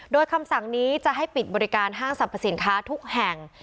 โดยคำสั่งนี้จะให้ปิดบริการห้างสรรพสินค้าทุกแห่ง